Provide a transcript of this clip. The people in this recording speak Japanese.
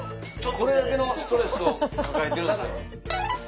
これだけのストレスを抱えてるんですよ。